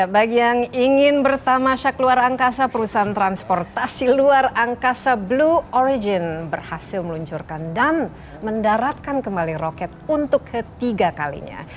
bagi yang ingin bertamashak luar angkasa perusahaan transportasi luar angkasa blue origin berhasil meluncurkan dan mendaratkan kembali roket untuk ketiga kalinya